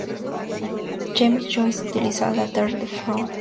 James Joyce utiliza en "A letter from Mr.